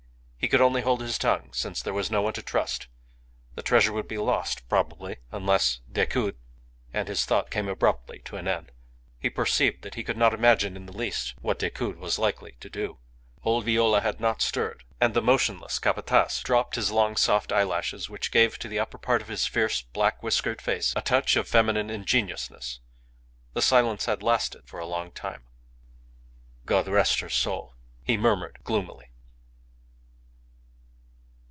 He could only hold his tongue, since there was no one to trust. The treasure would be lost, probably unless Decoud. ... And his thought came abruptly to an end. He perceived that he could not imagine in the least what Decoud was likely to do. Old Viola had not stirred. And the motionless Capataz dropped his long, soft eyelashes, which gave to the upper part of his fierce, black whiskered face a touch of feminine ingenuousness. The silence had lasted for a long time. "God rest her soul!" he murmured, gloomily.